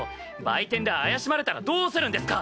売店で怪しまれたらどうするんですか？